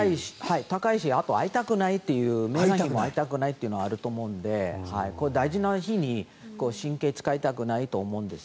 高いしあとは会いたくないメーガン妃にも会いたくないというのがあると思うのでこれ、大事な日に神経を使いたくないと思うんです。